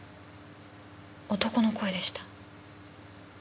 男の声でした。